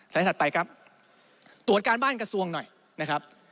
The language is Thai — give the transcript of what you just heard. ถัดไปครับตรวจการบ้านกระทรวงหน่อยนะครับ